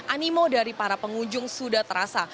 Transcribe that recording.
animo dari para pengunjung sudah terasa